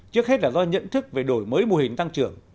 trước hết là do nhận thức về đổi mới mô hình tăng trưởng